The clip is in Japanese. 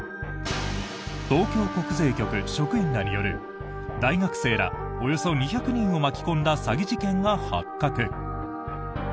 東京国税局職員らによる大学生らおよそ２００人を巻き込んだ詐欺事件が発覚。